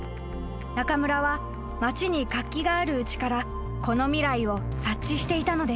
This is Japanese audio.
［中村は町に活気があるうちからこの未来を察知していたのです］